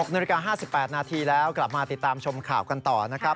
นาฬิกา๕๘นาทีแล้วกลับมาติดตามชมข่าวกันต่อนะครับ